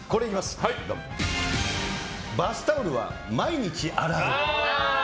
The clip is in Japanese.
バスタオルは毎日洗う！